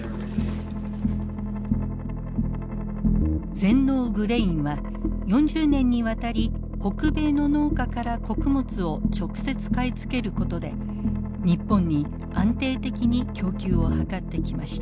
全農グレインは４０年にわたり北米の農家から穀物を直接買い付けることで日本に安定的に供給を図ってきました。